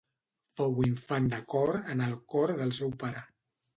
Fou infant de cor en el cor del seu pare.